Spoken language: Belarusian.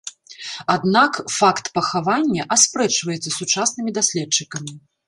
Аднак факт пахавання аспрэчваецца сучаснымі даследчыкамі.